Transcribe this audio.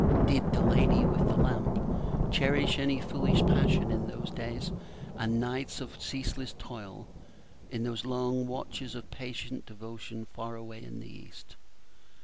Did the LADY WITH THE LAMP cherish any foolish passion in those days and nights of ceaseless toil, in those long watches of patient devotion far away in the East?